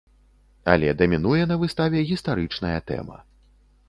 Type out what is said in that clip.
Але дамінуе на выставе гістарычная тэма.